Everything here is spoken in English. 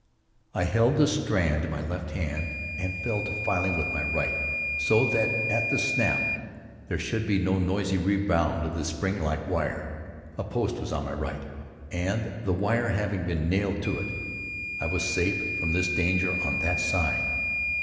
] I held the strand in my left hand and fell to filing with my right so that at the snap there should be no noisy rebound of the spring like wire. A post was at my right, and, the wire having been nailed to it, I was safe from this danger on that side.